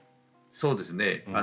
そうですね。